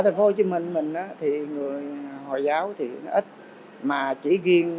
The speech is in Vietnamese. ở thành phố hồ chí minh người dân dân á thực sự rất ít